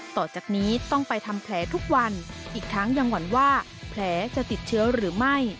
ต่อจากนี้ต้องไปทำแผลทุกวันอีกทั้งยังหวั่นว่าแผลจะติดเชื้อหรือไม่